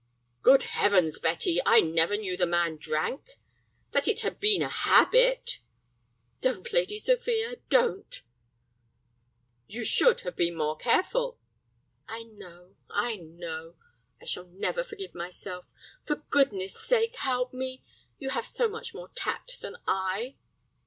"Good Heavens, Betty, I never knew the man drank, that it had been a habit—" "Don't, Lady Sophia, don't!" "You should have been more careful." "I know—I know. I shall never forgive myself. For goodness' sake, help me. You have so much more tact than I."